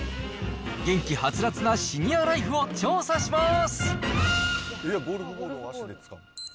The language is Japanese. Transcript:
元気ハツラツなシニアライフを調査します。